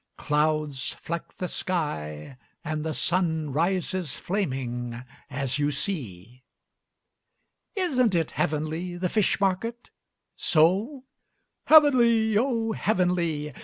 Clouds fleck the sky and the sun rises flaming, As you see! Isn't it heavenly the fish market? So? "Heavenly, oh heavenly!"